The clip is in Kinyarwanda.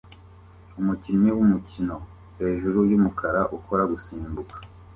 Umukinnyi wumukino hejuru yumukara ukora gusimbuka